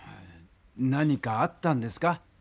何かあったんですか？